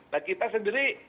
nah kita sendiri